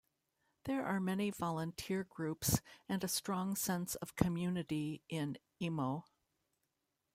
There are many volunteer groups and a strong sense of community in Emo.